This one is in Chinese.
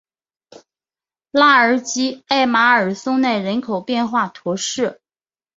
拉尔吉艾马尔松奈人口变化图示